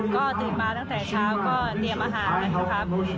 ก็ตื่นมาตั้งแต่เช้าก็เตรียมอาหารนะครับ